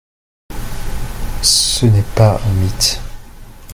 Ce n’est pas un mythe.